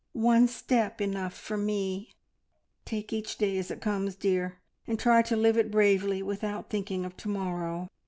One step enough for me!' Take each day as it comes, dear, and try to live it bravely without thinking of to morrow.